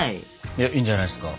いやいいんじゃないですか。